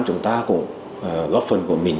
chúng ta cũng góp phần của mình